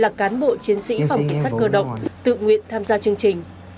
các cán bộ chiến sĩ phòng kiến sát cơ động tự nguyện tham gia chương trình